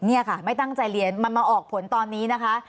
นี่ค่ะไม่ตั้งใจเรียนมันมาออกผลตอนนี้นะคะ